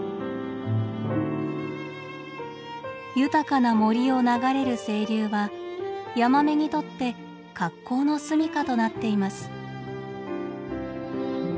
豊かな森を流れる清流はヤマメにとって格好の住みかとなっています。